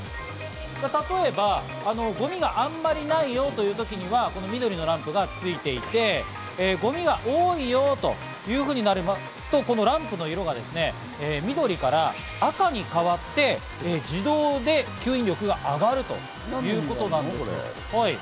例えばゴミがあんまりないよという時には緑のランプがついていて、ゴミが多いよというふうになりますと、このランプの色が緑から赤に変わって自動で吸引力が上がるということなんです。